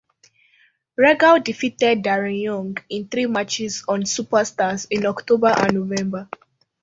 Regal defeated Darren Young in three matches on "Superstars" in October and November.